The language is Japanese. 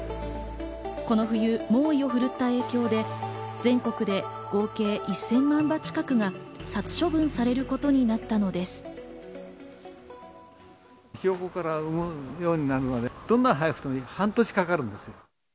この冬、猛威を振るった影響で全国で合計１０００万羽近くが殺処分されることになったのです。